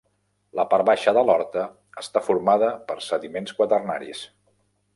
La part baixa de l'horta està formada per sediments quaternaris.